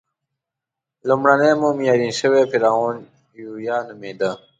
لومړنی مومیایي شوی فرعون یویا نومېده.